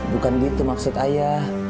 bukan gitu maksud ayah